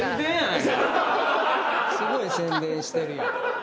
すごい宣伝してるやん。